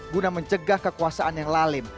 guna mencegah kekuasaan yang lalim